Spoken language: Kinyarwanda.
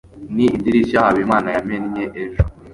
ni idirishya habimana yamennye ejo